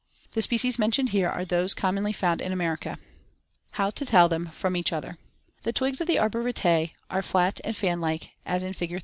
The species mentioned here are those commonly found in America. How to tell them from each other: The twigs of the arbor vitae are flat and fan like as in Fig.